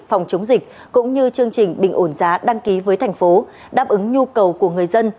phòng chống dịch cũng như chương trình bình ổn giá đăng ký với thành phố đáp ứng nhu cầu của người dân